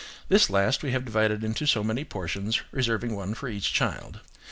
This last, we have divided into so many portions, reserving one for each child.